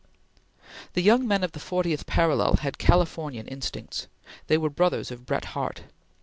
The young men of the Fortieth Parallel had Californian instincts; they were brothers of Bret Harte.